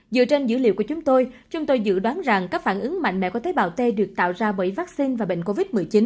dựa trên dữ liệu của chúng tôi chúng tôi dự đoán rằng các phản ứng mạnh mẽ của tế bào t được tạo ra bởi vaccine và bệnh covid một mươi chín